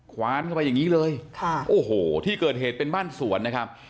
คว้านเข้าไปอย่างนี้เลยค่ะโอ้โหที่เกิดเหตุเป็นบ้านสวนนะครับ